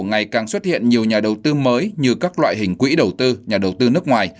ngày càng xuất hiện nhiều nhà đầu tư mới như các loại hình quỹ đầu tư nhà đầu tư nước ngoài